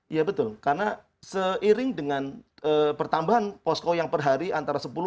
iya betul karena seiring dengan pertambahan posko yang perhari antara sepuluh sampai tiga puluh ribu